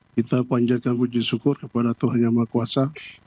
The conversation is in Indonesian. kita panjatkan puji syukur kepada tuhan yang maha kuasa